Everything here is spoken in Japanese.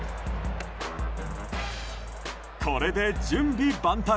これで準備万端。